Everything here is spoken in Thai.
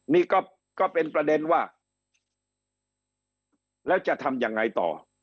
นี่ก็เป็นประเด็นว่าแล้วจะทำยังไงต่อ